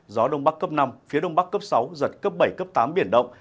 gió đông bắc cấp năm phía đông bắc cấp sáu giật cấp bảy cấp tám biển động